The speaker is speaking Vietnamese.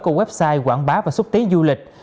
của website quảng bá và xúc tiến du lịch